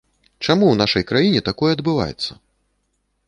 Чаму ў нашай краіне такое адбываецца?